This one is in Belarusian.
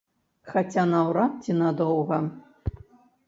Хаця наўрад ці надоўга.